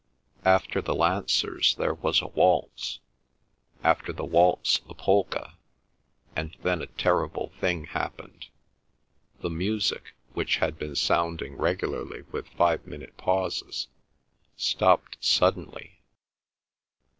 After the lancers there was a waltz; after the waltz a polka; and then a terrible thing happened; the music, which had been sounding regularly with five minute pauses, stopped suddenly.